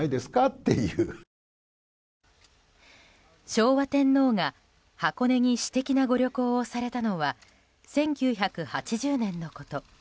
昭和天皇が箱根に私的なご旅行をされたのは１９８０年のこと。